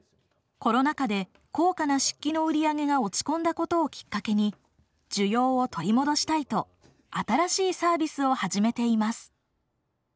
コロナ禍で高価な漆器の売り上げが落ち込んだことをきっかけに需要を取り戻したいと新しいサービスを始めています。